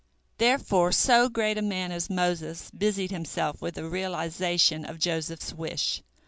Therefore so great a man as Moses busied himself with the realization of Joseph's wish.